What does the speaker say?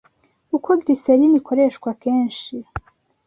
Uko glycerine ikoreshwa kenshi